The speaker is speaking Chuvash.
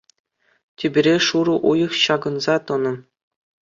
Тӳпере шурӑ уйӑх ҫакӑнса тӑнӑ.